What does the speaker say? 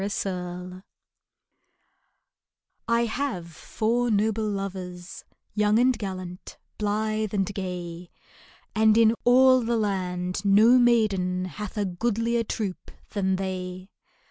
MY LOVERS I HAVE four noble lovers, Young and gallant, blithe and gay, And in all the land no maiden Hath a goodlier troupe than they